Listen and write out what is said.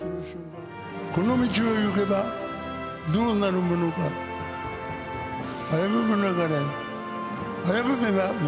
この道を行けばどうなるものか、危ぶむなかれ。